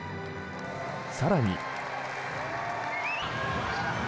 更に。